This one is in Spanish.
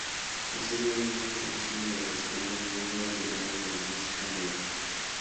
Posiblemente es uno de los temas más versionados de la música moderna.